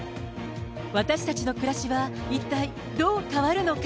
私たちの暮らしは、一体どう変わるのか。